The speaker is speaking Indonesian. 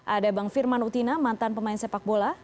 ada bang firman utina mantan pemain sepak bola